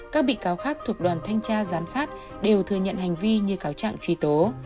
gia giám sát đều thừa nhận hành vi như cáo trạng truy tố